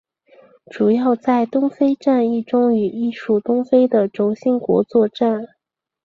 主要在东非战役中与意属东非的轴心国作战。